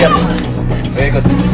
ya mam aku ikut